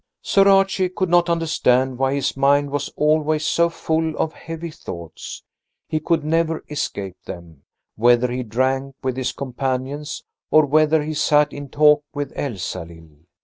III Sir Archie could not understand why his mind was always so full of heavy thoughts. He could never escape them, whether he drank with his companions, or whether he sat in talk with Elsalill.